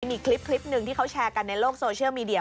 มีคลิปหนึ่งที่เขาแชร์กันในโลกโซเชียลมีเดีย